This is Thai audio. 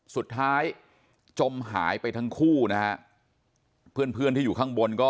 สุดท้ายจมหายไปทั้งคู่นะฮะ